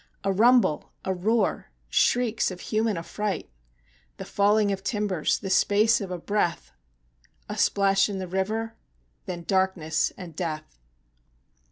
A rumble! a roar! shrieks of human affright! The falling of timbers! the space of a breath! A splash in the river; then darkness and death!